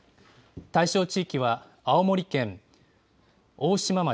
対象地域は青森県、大島町、